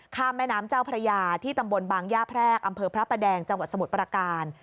แม่น้ำเจ้าพระยาที่ตำบลบางย่าแพรกอำเภอพระประแดงจังหวัดสมุทรประการ